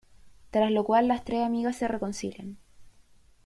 Tras lo cual las tres amigas se reconcilian.